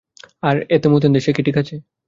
আর এম-মুতেন্দে, সে কি ঠিক আছে?